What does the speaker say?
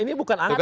ini bukan angka